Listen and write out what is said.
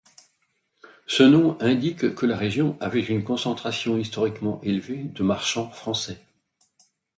Ce nom indique que la région avait une concentration historiquement élevée de marchands français.